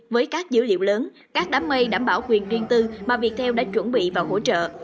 với các dữ liệu lớn các đám mây đảm bảo quyền riêng tư mà viettel đã chuẩn bị và hỗ trợ